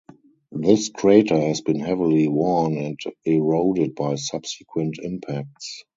This crater has been heavily worn and eroded by subsequent impacts.